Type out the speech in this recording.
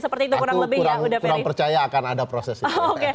aku kurang percaya akan ada prosesnya